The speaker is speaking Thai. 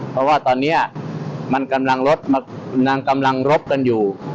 เพราะว่าตอนนี้มันกำลังรบกันอยู่